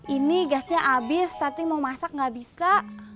ini gasnya abis tatu yang mau masak gak bisa